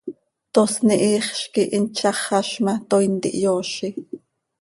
Tosni hiixz quih hin tzaxaz ma, toii ntihyoozi.